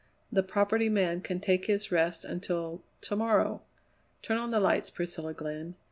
The Property Man can take his rest until to morrow. Turn on the lights, Priscilla Glenn.